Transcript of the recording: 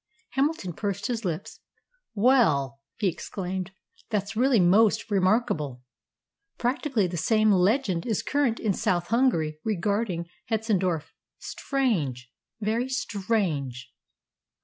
Hamilton pursed his lips. "Well," he exclaimed, "that's really most remarkable! Practically, the same legend is current in South Hungary regarding Hetzendorf. Strange very strange!"